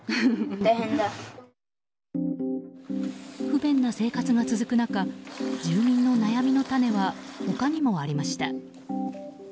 不便な生活が続く中住民の悩みの種は他にもありました。